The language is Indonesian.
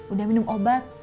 udah minum obat